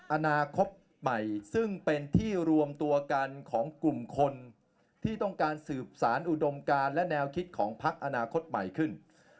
อนาคตใหม่ซึ่งเป็นที่รวมตัวกันของกลุ่มคนที่ต้องการสืบสารอุดมการและแนวคิดของพักอนาคตใหม่ขึ้น